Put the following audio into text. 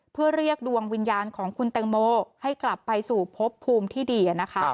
ก็เรียกดวงวิญญาณของคุณเต็งโมให้กลับไปสู่พบภูมิที่ดี